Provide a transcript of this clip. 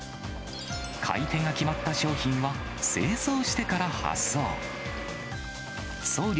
買い手が決まった商品は清掃してから発送。